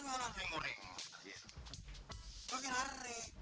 dapat timang lagi melarang